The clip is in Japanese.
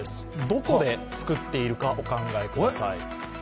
どこで作っているか、お考えください。